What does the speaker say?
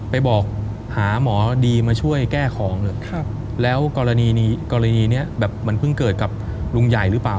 ไปบอกหาหมอดีมาช่วยแก้ของเลยแล้วกรณีนี้แบบมันเพิ่งเกิดกับลุงใหญ่หรือเปล่า